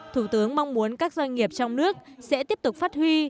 thủ tướng mong muốn các doanh nghiệp trong nước sẽ tiếp tục phát huy